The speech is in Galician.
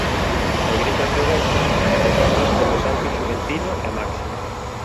A Igrexa Ortodoxa recórdaos como os santos Xuventino e Máximo.